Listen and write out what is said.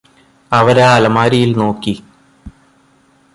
അവരാ അലമാരിയില് നോക്കി